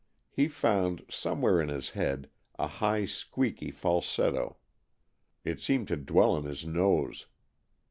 He found, somewhere in his head, a high, squeaky falsetto. It seemed to dwell in his nose.